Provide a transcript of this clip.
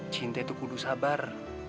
cinta itu kudu sabar